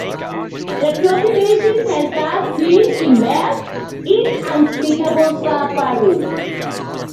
The population has thus been immersed in unspeakable suffering.